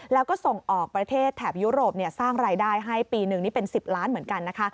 แล้วก็ส่งออกประเทศแถบยุโรปสร้างรายได้ให้ปีหนึ่งนี่เป็น๑๐ล้านเหมือนกันนะคะ